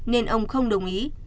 nên ông không đồng ý